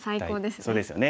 そうですよね。